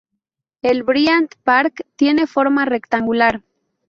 El "Bryant Park" tiene forma rectangular.